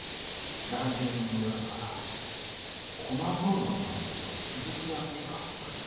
・團十郎の親方から高麗蔵の名跡を継ぐ気はねえかって言われて。